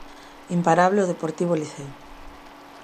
Imparable o Deportivo Liceo.